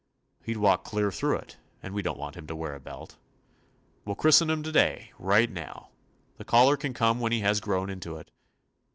He 'd walk clear through it, and we don't want him to wear a belt. We '11 christen him to day, right now. The collar can come when he has grown into it.